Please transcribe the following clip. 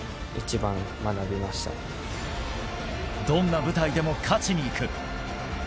どんな舞台でも勝ちにいく。